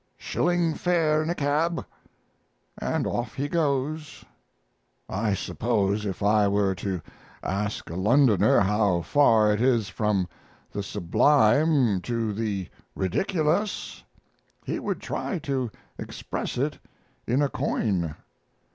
"Shilling fare in a cab," and off he goes. I suppose if I were to ask a Londoner how far it is from the sublime to the ridiculous he would try to express it in a coin.